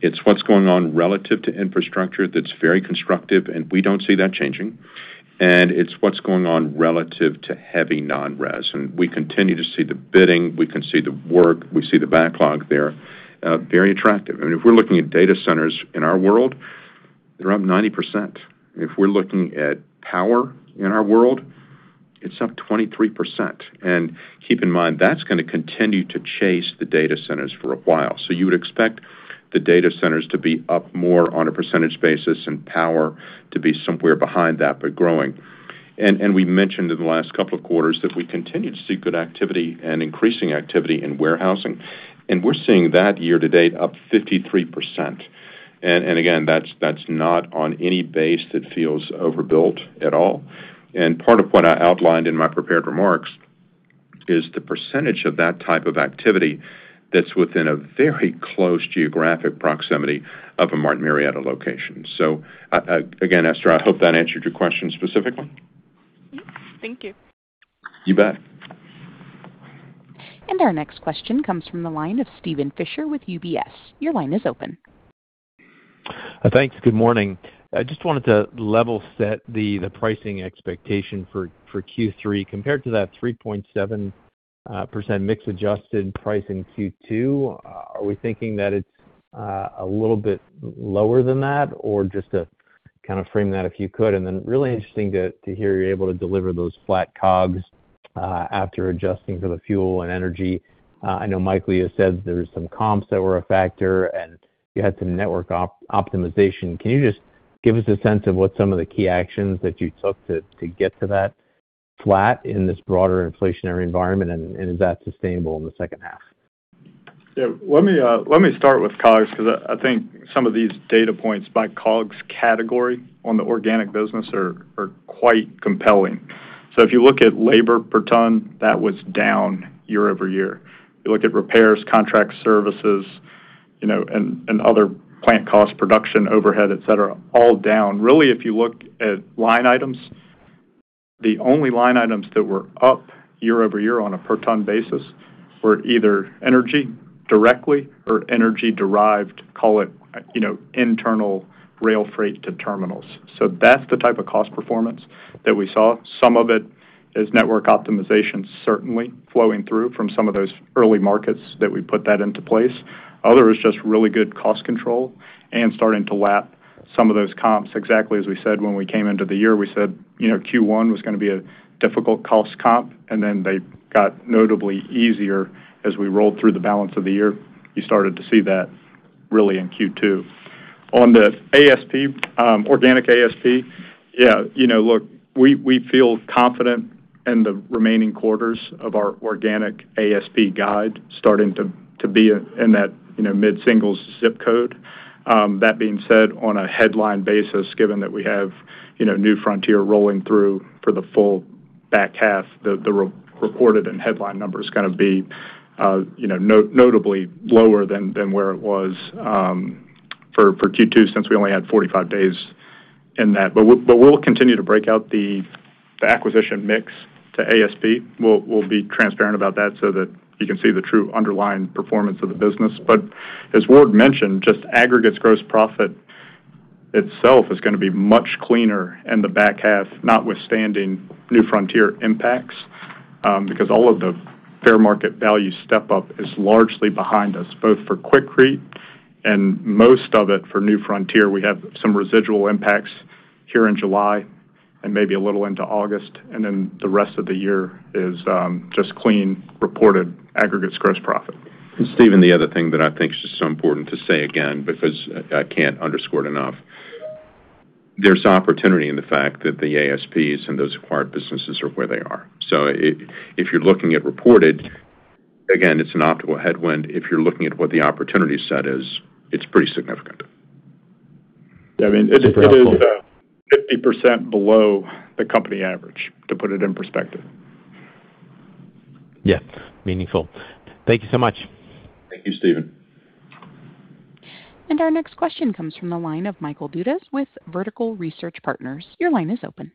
It's what's going on relative to infrastructure that's very constructive, and we don't see that changing. It's what's going on relative to heavy non-res. We continue to see the bidding, we can see the work, we see the backlog there. Very attractive. If we're looking at data centers in our world, they're up 90%. If we're looking at power in our world, it's up 23%. Keep in mind, that's going to continue to chase the data centers for a while. You would expect the data centers to be up more on a percentage basis and power to be somewhere behind that, but growing. We mentioned in the last couple of quarters that we continue to see good activity and increasing activity in warehousing. We're seeing that year-to-date up 53%. Again, that's not on any base that feels overbuilt at all. Part of what I outlined in my prepared remarks is the percentage of that type of activity that's within a very close geographic proximity of a Martin Marietta location. Again, Esther, I hope that answered your question specifically. Thank you. You bet. Our next question comes from the line of Steven Fisher with UBS. Your line is open. Thanks. Good morning. I just wanted to level set the pricing expectation for Q3 compared to that 3.7% mix adjusted price in Q2. Are we thinking that it's a little bit lower than that? Just to kind of frame that, if you could. Then really interesting to hear you're able to deliver those flat COGS after adjusting for the fuel and energy. I know Mike previously said there were some comps that were a factor, and you had some network optimization. Can you just give us a sense of what some of the key actions that you took to get to that flat in this broader inflationary environment, and is that sustainable in the H2? Yeah. Let me start with COGS, because I think some of these data points by COGS category on the organic business are quite compelling. If you look at labor per ton, that was down year-over-year. If you look at repairs, contract services, and other plant cost production, overhead, et cetera, all down. Really, if you look at line items, the only line items that were up year-over-year on a per ton basis were either energy directly or energy derived, call it internal rail freight to terminals. That's the type of cost performance that we saw. Some of it is network optimization, certainly flowing through from some of those early markets that we put that into place. Other is just really good cost control and starting to lap some of those comps. Exactly as we said when we came into the year, we said Q1 was going to be a difficult cost comp, then they got notably easier as we rolled through the balance of the year. You started to see that really in Q2. On the organic ASP, look, we feel confident in the remaining quarters of our organic ASP guide starting to be in that mid-singles ZIP code. That being said, on a headline basis, given that we have New Frontier rolling through for the full back half, the reported and headline number's going to be notably lower than where it was for Q2, since we only had 45 days In that. We'll continue to break out the acquisition mix to ASP. We'll be transparent about that so that you can see the true underlying performance of the business. As Ward mentioned, just aggregates gross profit itself is going to be much cleaner in the back half, notwithstanding New Frontier impacts, because all of the fair market value step-up is largely behind us, both for Quikrete and most of it for New Frontier. We have some residual impacts here in July and maybe a little into August, then the rest of the year is just clean, reported aggregates gross profit. Steven, the other thing that I think is just so important to say again, because I can't underscore it enough, there's opportunity in the fact that the ASPs and those acquired businesses are where they are. If you're looking at reported, again, it's an optical headwind. If you're looking at what the opportunity set is, it's pretty significant. I mean, it is 50% below the company average, to put it in perspective. Yeah. Meaningful. Thank you so much. Thank you, Steven. Our next question comes from the line of Michael Dudas with Vertical Research Partners. Your line is open.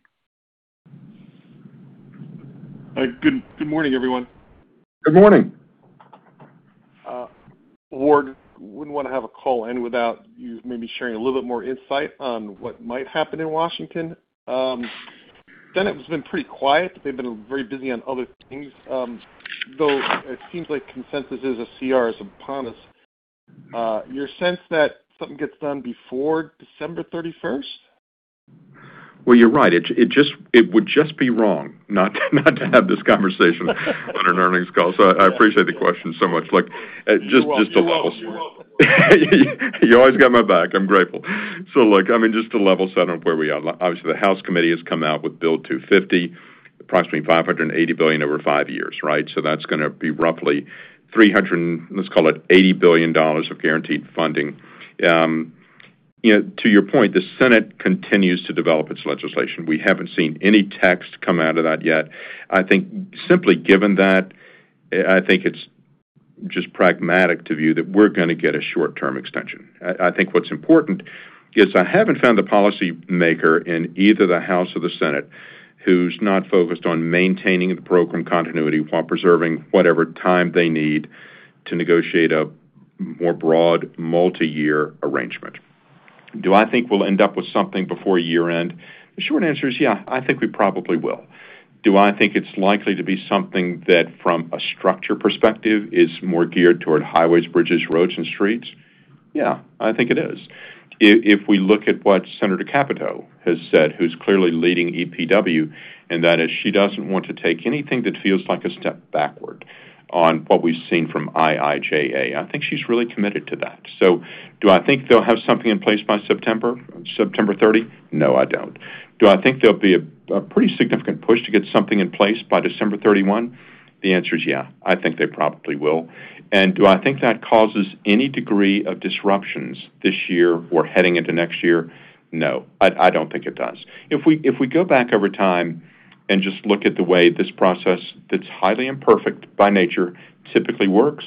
Hi. Good morning, everyone. Good morning. Ward, wouldn't want to have a call end without you maybe sharing a little bit more insight on what might happen in Washington. Senate has been pretty quiet. They've been very busy on other things, though it seems like consensus is a CR is upon us. Your sense that something gets done before December 31st? Well, you're right. It would just be wrong not to have this conversation on an earnings call. I appreciate the question so much. Look. You're welcome. You always got my back. I'm grateful. Look, I mean, just to level set on where we are. Obviously, the House committee has come out with BUILD 250, approximately $580 billion over five years, right? That's going to be roughly $380 billion of guaranteed funding. To your point, the Senate continues to develop its legislation. We haven't seen any text come out of that yet. I think simply given that, it's just pragmatic to view that we're going to get a short-term extension. I think what's important is I haven't found a policy maker in either the House or the Senate who's not focused on maintaining the program continuity while preserving whatever time they need to negotiate a more broad multi-year arrangement. Do I think we'll end up with something before year end? The short answer is yeah, I think we probably will. Do I think it's likely to be something that from a structure perspective is more geared toward highways, bridges, roads, and streets? Yeah, I think it is. If we look at what Senator Capito has said, who's clearly leading EPW, and that is she doesn't want to take anything that feels like a step backward on what we've seen from IIJA. I think she's really committed to that. Do I think they'll have something in place by September 30th? No, I don't. Do I think there'll be a pretty significant push to get something in place by December 31st? The answer is yeah, I think they probably will. Do I think that causes any degree of disruptions this year or heading into next year? No, I don't think it does. If we go back over time and just look at the way this process that's highly imperfect by nature typically works,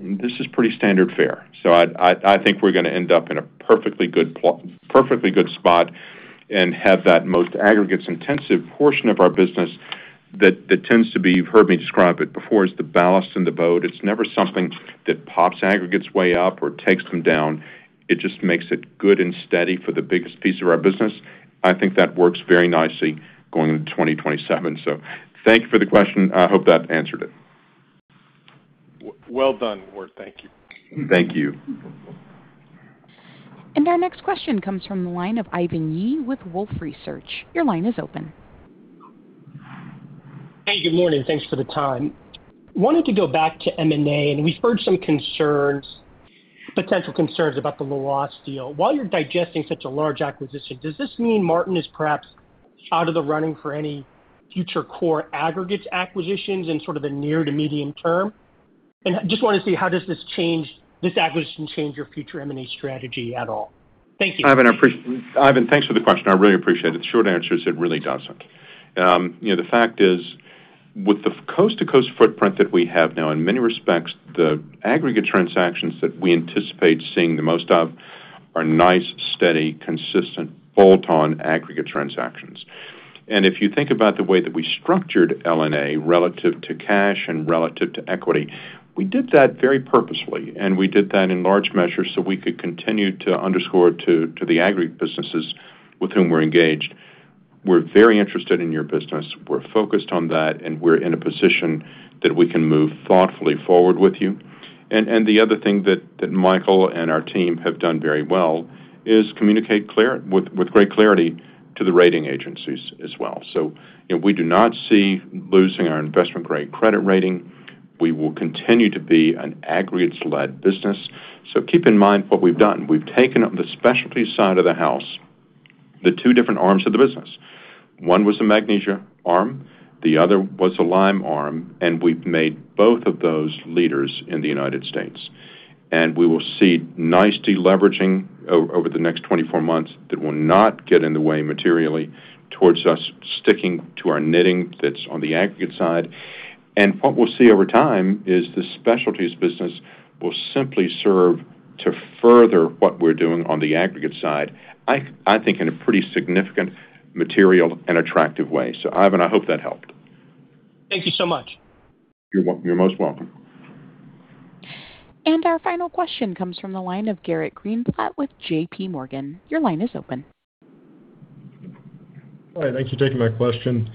this is pretty standard fare. I think we're going to end up in a perfectly good spot and have that most aggregates intensive portion of our business that tends to be, you've heard me describe it before, is the ballast in the boat. It's never something that pops aggregates way up or takes them down. It just makes it good and steady for the biggest piece of our business. I think that works very nicely going into 2027. Thank you for the question. I hope that answered it. Well done, Ward. Thank you. Thank you. Our next question comes from the line of Ivan Yi with Wolfe Research. Your line is open. Hey, good morning. Thanks for the time. Wanted to go back to M&A, and we've heard some potential concerns about the Lhoist deal. While you're digesting such a large acquisition, does this mean Martin is perhaps out of the running for any future core aggregates acquisitions in sort of the near to medium term? Just want to see how does this acquisition change your future M&A strategy at all? Thank you. Ivan, thanks for the question. I really appreciate it. The short answer is it really doesn't. The fact is, with the coast-to-coast footprint that we have now, in many respects, the aggregate transactions that we anticipate seeing the most of are nice, steady, consistent bolt-on aggregate transactions. If you think about the way that we structured LNA relative to cash and relative to equity, we did that very purposefully, and we did that in large measure so we could continue to underscore to the aggregate businesses with whom we're engaged, we're very interested in your business, we're focused on that, and we're in a position that we can move thoughtfully forward with you. The other thing that Michael and our team have done very well is communicate with great clarity to the rating agencies as well. We do not see losing our investment-grade credit rating. We will continue to be an aggregates-led business. Keep in mind what we've done. We've taken the specialty side of the house, the two different arms of the business. One was the magnesia arm, the other was the lime arm, we've made both of those leaders in the United States. We will see nice deleveraging over the next 24 months that will not get in the way materially towards us sticking to our knitting that's on the aggregate side. What we'll see over time is the specialties business will simply serve to further what we're doing on the aggregate side, I think in a pretty significant, material, and attractive way. Ivan, I hope that helped. Thank you so much. You're most welcome. Our final question comes from the line of Garrett Greenblatt with JPMorgan. Your line is open. Hi, thanks for taking my question.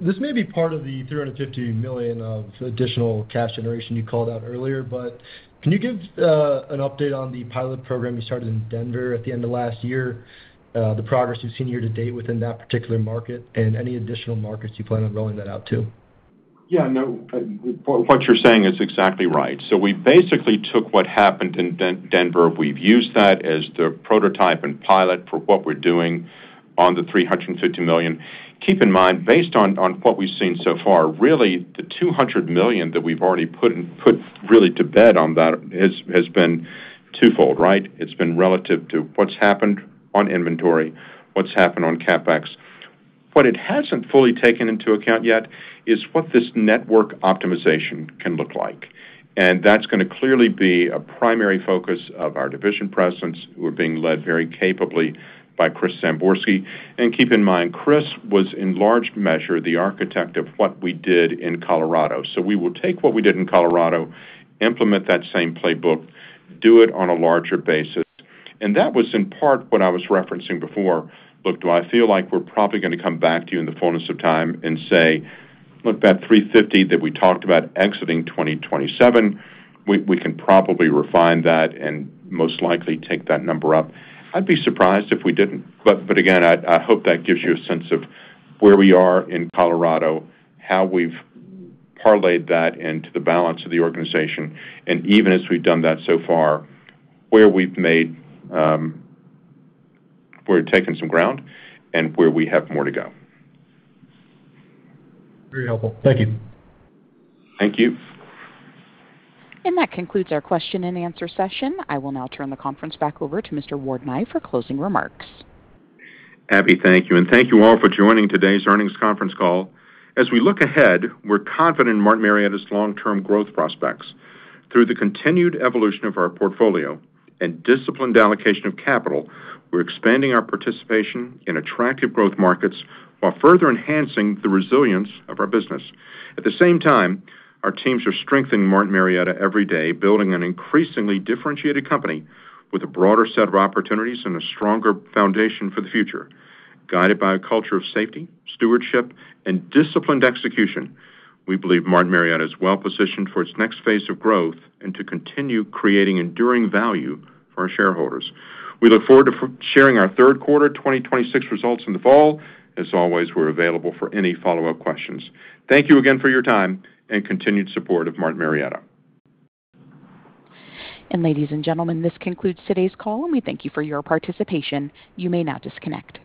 This may be part of the $350 million of additional cash generation you called out earlier, but can you give an update on the pilot program you started in Denver at the end of last year, the progress you've seen year-to-date within that particular market, and any additional markets you plan on rolling that out to? Yeah, no, what you're saying is exactly right. We basically took what happened in Denver. We've used that as the prototype and pilot for what we're doing on the $350 million. Keep in mind, based on what we've seen so far, really the $200 million that we've already put really to bed on that has been twofold, right? It's been relative to what's happened on inventory, what's happened on CapEx. What it hasn't fully taken into account yet is what this network optimization can look like. That's going to clearly be a primary focus of our division presidents, who are being led very capably by Chris Samborski. Keep in mind, Chris was in large measure the architect of what we did in Colorado. We will take what we did in Colorado, implement that same playbook, do it on a larger basis. That was in part what I was referencing before. Look, do I feel like we're probably going to come back to you in the fullness of time and say, "Look, that $350 that we talked about exiting 2027, we can probably refine that and most likely take that number up." I'd be surprised if we didn't. Again, I hope that gives you a sense of where we are in Colorado, how we've parlayed that into the balance of the organization, and even as we've done that so far, where we've taken some ground and where we have more to go. Very helpful. Thank you. Thank you. That concludes our question and answer session. I will now turn the conference back over to Mr. Ward Nye for closing remarks. Abby, thank you, and thank you all for joining today's earnings conference call. As we look ahead, we're confident in Martin Marietta's long-term growth prospects. Through the continued evolution of our portfolio and disciplined allocation of capital, we're expanding our participation in attractive growth markets while further enhancing the resilience of our business. At the same time, our teams are strengthening Martin Marietta every day, building an increasingly differentiated company with a broader set of opportunities and a stronger foundation for the future. Guided by a culture of safety, stewardship, and disciplined execution, we believe Martin Marietta is well positioned for its next phase of growth and to continue creating enduring value for our shareholders. We look forward to sharing our Q3 2026 results in the fall. As always, we're available for any follow-up questions. Thank you again for your time and continued support of Martin Marietta. Ladies and gentlemen, this concludes today's call, and we thank you for your participation. You may now disconnect.